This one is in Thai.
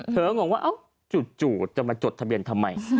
เธอหงวงว่าจุดจะมาจดทะเบียนทำไม